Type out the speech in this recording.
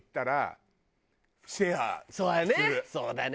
そうだよね。